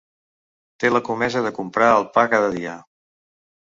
Té la comesa de comprar el pa cada dia.